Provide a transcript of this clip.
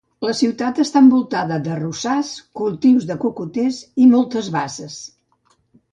La ciutat està envoltada d'arrossars, cultius de cocoters i moltes basses.